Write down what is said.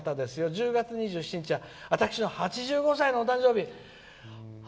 「１０月２７日は私の８５歳の誕生日」。